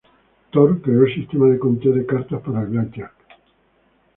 Thorp creó el sistema de conteo de cartas para el blackjack.